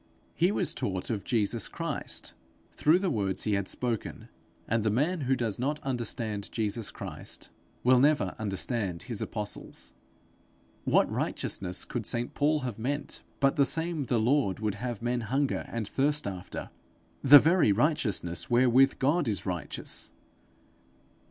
He was taught of Jesus Christ through the words he had spoken; and the man who does not understand Jesus Christ, will never understand his apostles. What righteousness could St Paul have meant but the same the Lord would have men hunger and thirst after the very righteousness wherewith God is righteous!